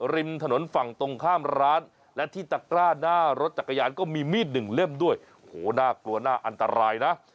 ริมถนนฝั่งตรงข้ามร้านและที่ตะกร้าหน้ารถจักรยานก็มีมีดหนึ่งเล่มด้วยโอ้โหน่ากลัวน่าอันตรายนะ